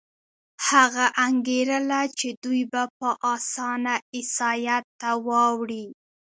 هغه انګېرله چې دوی به په اسانه عیسایت ته واوړي.